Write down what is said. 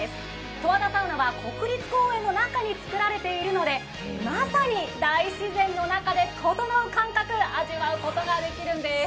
十和田サウナは国立公園の中に作られているのでまさに大自然の中でととのう感覚を味わうことができるんです。